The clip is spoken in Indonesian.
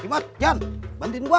cimot jon bantuin gua